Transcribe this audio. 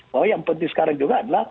bahwa yang penting sekarang juga adalah